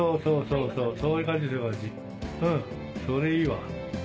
うんそれいいわ。